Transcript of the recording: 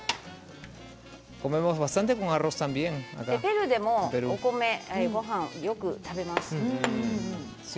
ペルーでも、お米ごはん、よく食べます。